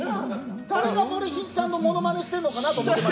誰が森進一さんのものまねしているのかなと。